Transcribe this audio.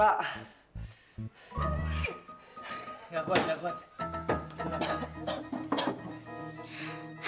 aduh gimana ya